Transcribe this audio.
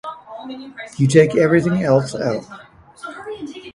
You take everything else out.